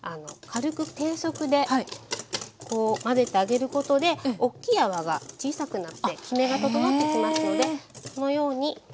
軽く低速で混ぜてあげることで大きい泡が小さくなってきめが整ってきますのでこのように。